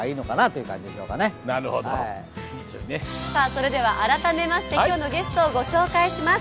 それでは改めまして今日のゲストをご紹介します。